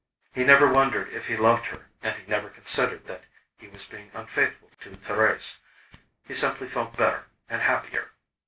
He never wondered if he loved her and he never considered that he was being unfaithful to Thérèse. He simply felt better and happier.